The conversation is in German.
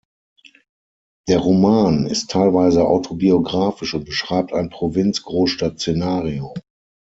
Der Roman ist teilweise autobiographisch und beschreibt ein Provinz-Großstadt-Szenario.